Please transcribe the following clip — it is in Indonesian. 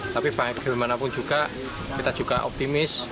tapi bagaimanapun juga kita juga optimis